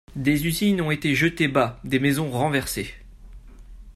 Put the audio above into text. Des usines ont été jetées bas, des maisons renversées.